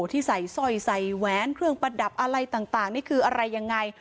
ที่ใส่สร้อยใส่แหวนเครื่องประดับอะไรต่างนี่คืออะไรยังไง